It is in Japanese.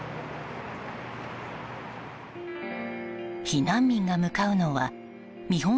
避難民が向かうのは見本